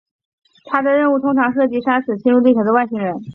他的任务通常涉及杀死侵入地球的外星人。